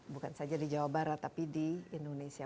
bukan saja di jawa barat tapi di indonesia